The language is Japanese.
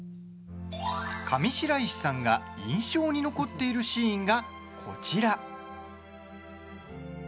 上白石さんが印象に残っているシーンがこちら。